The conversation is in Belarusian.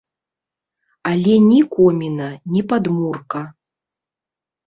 Але ні коміна, ні падмурка.